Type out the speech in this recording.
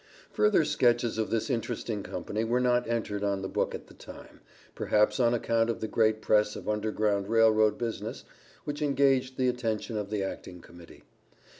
Further sketches of this interesting company were not entered on the book at the time, perhaps on account of the great press of Underground Rail Road business which engaged the attention of the acting Committee.